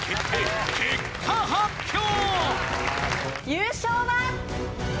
優勝は。